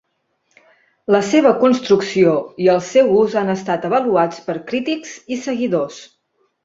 La seva construcció i el seu ús han estat avaluats per crítics i seguidors.